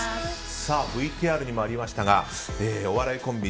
ＶＴＲにもありましたがお笑いコンビ